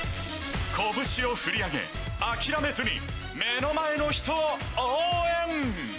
拳を振り上げ、諦めずに目の前の人を応援。